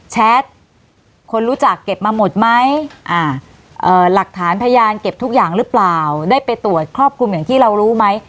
แท็ตคนรู้จักเก็บมาหมดไหมหลักฐานพยานเก็บทุกอย่างหรือเปล่าได้ไปตรวจครอบคลุมอย่างที่เรารู้ไหม